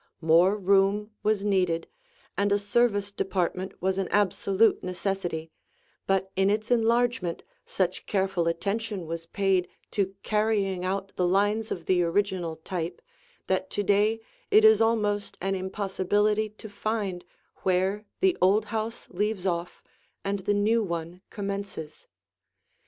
More room was needed, and a service department was an absolute necessity, but in its enlargement such careful attention was paid to carrying out the lines of the original type that to day it is almost an impossibility to find where the old house leaves off, and the new one commences.